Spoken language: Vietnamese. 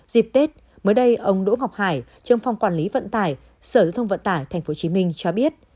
dịp tết mới đây ông đỗ ngọc hải trường phòng quản lý vận tải sở thông vận tải tp hcm cho biết